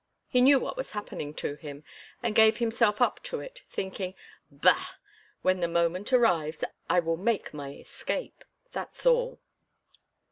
He knew what was happening to him, and gave himself up to it, thinking: "Bah! when the moment arrives. I will make my escape that's all."